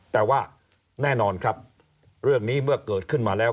แต่ว่าแน่นอนครับเรื่องนี้เมื่อเกิดขึ้นมาแล้ว